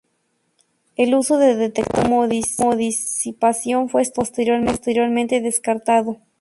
El uso de detectores de humo o disipación fue estudiado y posteriormente descartado.